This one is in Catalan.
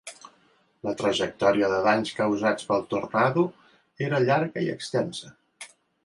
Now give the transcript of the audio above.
La trajectòria de danys causats pel tornado era llarga i extensa.